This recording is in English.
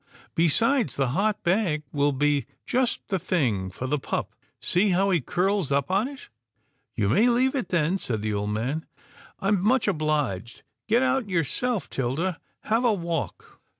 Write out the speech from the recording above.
Besides, the hot bag will be just the thing for the pup. See how he curls up on it." " You may leave it then," said the old man. " I'm much obliged. Get out yourself, 'Tilda — have a walk."